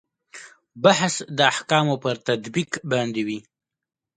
بحث د احکامو پر تطبیق باندې وي.